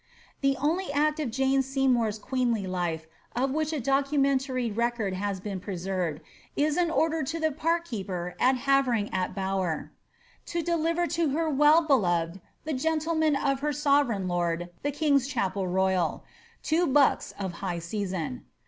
The only act of Jane Se3rmour'8 queenly life of which a docnnneiituy record has been preserved, is an order to the park keeper at Haverinf atte Bower ^ to deliver to her well beloved the gentlemen of her sove reign lord the king's chapel ro3ral, two bucks of hiffh seasoo.